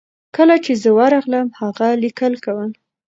کله چې زه ورغلم هغه لیکل کول.